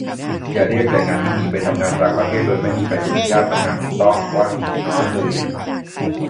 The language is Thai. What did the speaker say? อย่าเรียกแรงงานที่หนีไปทำงานต่างประเทศโดยไม่มีใบอนุญาตทำงานถูกต้องว่า "ผีน้อย" เลย